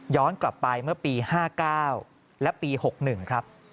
กลับไปเมื่อปี๕๙และปี๖๑ครับ